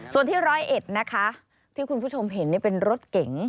ส่วนที่ร้อยเอ็ดนะคะที่คุณผู้ชมเห็นเป็นรถเก๋ง